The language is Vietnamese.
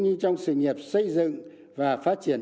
như trong sự nghiệp xây dựng và phát triển